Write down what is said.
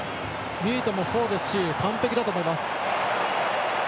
ミートもそうですし完璧だと思います。